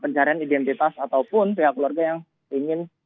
pencarian identitas ataupun pihak keluarga yang ingin